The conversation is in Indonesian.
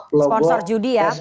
sponsor judi ya